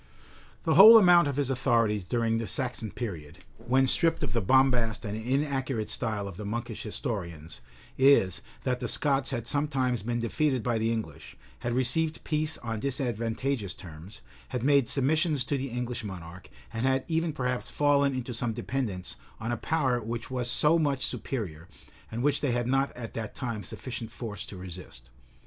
The whole amount of his authorities during the Saxon period, when stripped of the bombast and inaccurate style of the monkish historians, is, that the Scots had sometimes been defeated by the English, had received peace on disadvantageous terms, had made submissions to the English monarch, and had even perhaps fallen into some dependence on a power which was so much superior, and which they had not at that time sufficient force to resist.